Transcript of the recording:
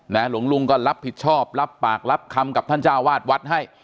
หลวงลุงก็รับผิดชอบรับปากรับคำกับท่านเจ้าวาดวัดให้